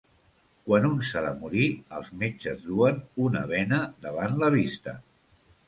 Quan un s'ha de morir, els metges duen una bena davant la vista.